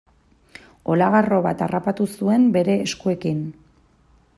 Olagarro bat harrapatu zuen bere eskuekin.